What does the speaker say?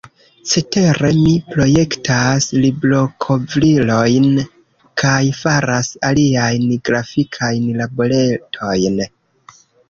Cetere mi projektas librokovrilojn kaj faras aliajn grafikajn laboretojn.